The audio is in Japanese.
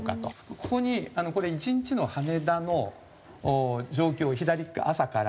ここにこれ１日の羽田の状況を左朝から。